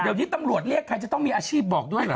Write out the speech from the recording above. เดี๋ยวนี้ตำรวจเรียกใครจะต้องมีอาชีพบอกด้วยเหรอ